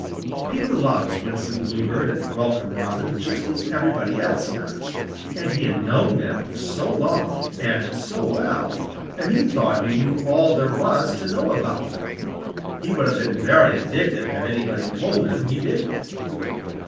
Peter loves Winsome Bluebird and Welcome Robin, just as everybody else does, and he had known them so long and so well that he thought he knew all there was to know about them. He would have been very indignant had anybody told him he didn't.